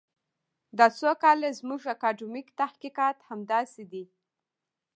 دا څو کاله زموږ اکاډمیک تحقیقات همداسې دي.